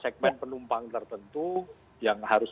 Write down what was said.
segmen penumpang tertentu yang harus